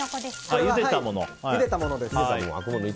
これはゆでたものです。